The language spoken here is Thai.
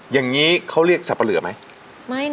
อย่างนี้เขาเรียกสับปะเหลือไหม